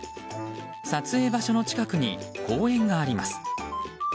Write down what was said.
撮影場所の近くに公園があります。